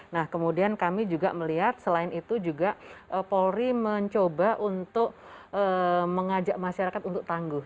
nah kemudian kami juga melihat selain itu juga polri mencoba untuk mengajak masyarakat untuk tangguh